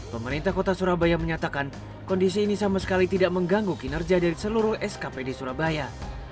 pemerintah kota surabaya menyatakan kondisi ini sama sekali tidak mengganggu kinerja dari seluruh skpd surabaya